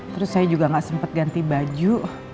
terus saya juga gak sempat ganti baju